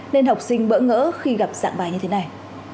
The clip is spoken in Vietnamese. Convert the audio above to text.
nên học sinh bỡ ngỡ khi gặp dạng bài như thế này